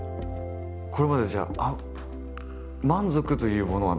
これまでじゃあ満足というものはないですか？